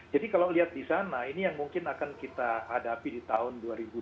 jadi kalau lihat di sana ini yang mungkin akan kita hadapi di tahun dua ribu dua puluh satu